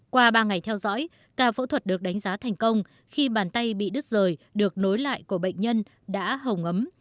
qua ba ngày theo dõi ca phẫu thuật được đánh giá thành công khi bàn tay bị đứt rời được nối lại của bệnh nhân đã hồng ấm